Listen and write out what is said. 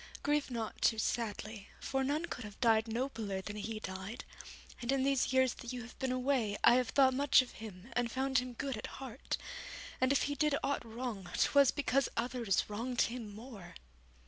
Grieve not too sadly, for none could have died nobler than he died; and in these years that you have been away, I have thought much of him and found him good at heart, and if he did aught wrong 'twas because others wronged him more.'